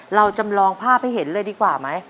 เราจำลองภาพให้เห็นเลยดีกว่าไหม